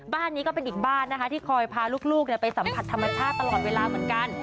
บ้านนี้ก็เป็นอีกบ้านนะคะที่คอยพาลูกไปสัมผัสธรรมชาติตลอดเวลาเหมือนกัน